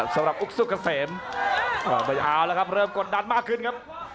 สำหรับอุกสุกเกษมไม่เอาแล้วครับเริ่มกดดันมากขึ้นครับ